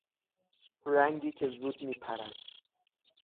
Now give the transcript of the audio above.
رنگی که زود میپرد